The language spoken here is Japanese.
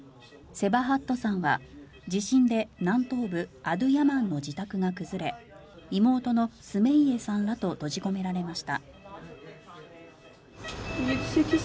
セバハットさんは地震で南東部アドゥヤマンの自宅が崩れ妹のスメイエさんらと閉じ込められました。